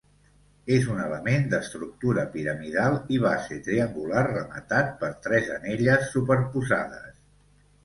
És un element d'estructura piramidal i base triangular rematat per tres anelles superposades.